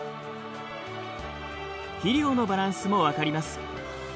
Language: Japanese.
肥料のバランスも分かります。